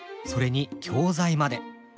それに教材まで。